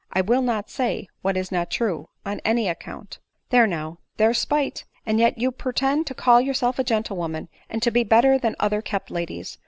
I will not /say what is not true, on any account." " There now, t there's spite ! and yet you purtend to call yourself a gentlewoman, and to be better than other kept ladies!